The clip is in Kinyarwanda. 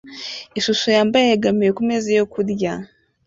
Ishusho yambaye yegamiye kumeza yo kurya